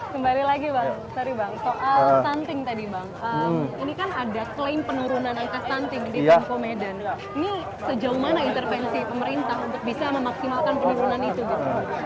kembali lagi bang sorry bang soal stunting tadi bang ini kan ada klaim penurunan angka stunting di pemko medan ini sejauh mana intervensi pemerintah untuk bisa memaksimalkan penurunan itu gitu